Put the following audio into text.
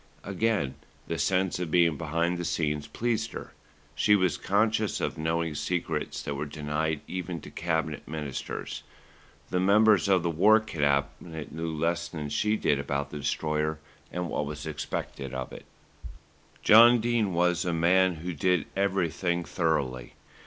Again, the sense of being behind the scenes pleased her. She was conscious of knowing secrets that were denied even to Cabinet Ministers. The members of the War Cabinet knew less than she did about the Destroyer and what was expected of it. John Dene was a man who did everything thoroughly.